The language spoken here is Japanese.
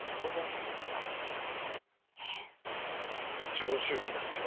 長周期なんでしょ。